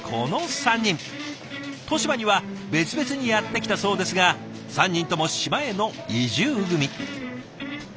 利島には別々にやって来たそうですが３人とも島への移住組。